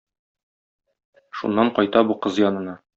Шуннан кайта бу кыз янына.